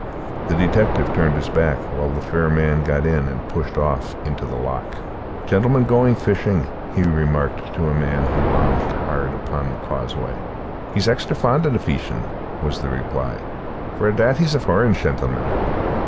The detective turned his back while the fair man got in and pushed off into the loch. "Gentleman going fishing?" he remarked to a man who lounged hard by upon the causeway. "He's axtra fond o' the feeshin'," was the reply, "for a' that he's a foreign shentleman."